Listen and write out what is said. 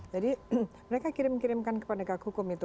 jadi mereka kirim kirimkan ke penegak hukum itu